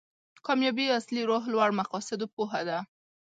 کامیابي اصلي روح لوړ مقاصدو پوهه ده.